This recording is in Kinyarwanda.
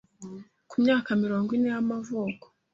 ku myaka mirongo ine y’amavuko